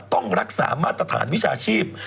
ต้องรักษามาตรฐานวิชาชีพ